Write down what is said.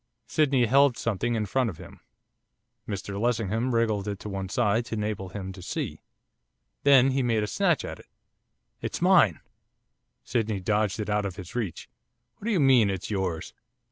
Sydney held something in front of him. Mr Lessingham wriggled to one side to enable him to see. Then he made a snatch at it. 'It's mine!' Sydney dodged it out of his reach. 'What do you mean, it's yours?